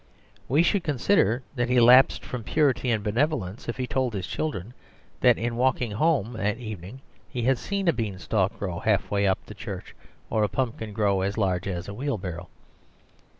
We should consider that he lapsed from purity and benevolence if he told his children that in walking home that evening he had seen a beanstalk grow half way up the church, or a pumpkin grow as large as a wheelbarrow.